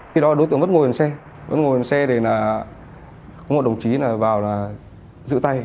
khi đó đối tượng bắt ngồi bằng xe bắt ngồi bằng xe để là có một đồng chí vào giữ tay